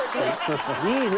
いいね。